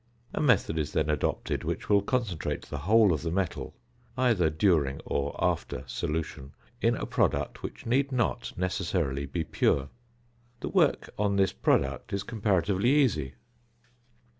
A method is then adopted which will concentrate the whole of the metal (either during or after solution) in a product which need not necessarily be pure. The work on this product is comparatively easy.